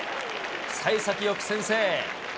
さい先よく先制。